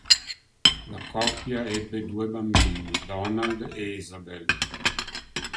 La coppia ebbe due bambini, Donald e Isabel.